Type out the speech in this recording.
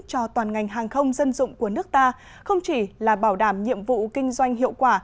cho toàn ngành hàng không dân dụng của nước ta không chỉ là bảo đảm nhiệm vụ kinh doanh hiệu quả